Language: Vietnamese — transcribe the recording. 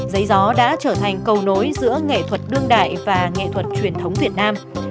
giấy gió đã trở thành cầu nối giữa nghệ thuật đương đại và nghệ thuật truyền thống việt nam